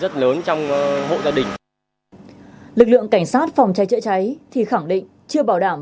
thì khẳng định chưa bảo đảm